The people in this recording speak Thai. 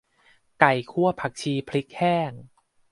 ไก่คั่วผักชีพริกแห้ง